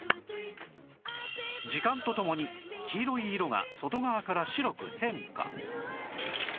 時間とともに黄色い色が外側から白く変化